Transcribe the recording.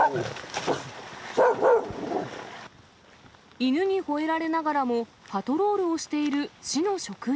犬にほえられながらも、パトロールをしている市の職員。